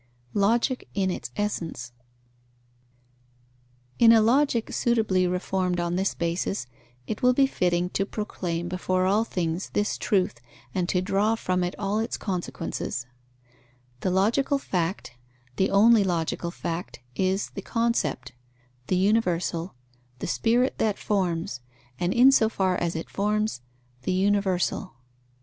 Logic in its essence. In a Logic suitably reformed on this basis, it will be fitting to proclaim before all things this truth, and to draw from it all its consequences: the logical fact, the only logical fact, is the concept, the universal, the spirit that forms, and in so far as it forms, the universal.